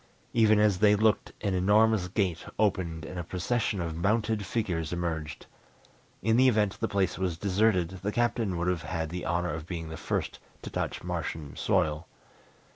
Even as they looked an enormous gate opened and a procession of mounted figures emerged. In the event the place was deserted, the Captain would have had the honor of being the first to touch Martian soil.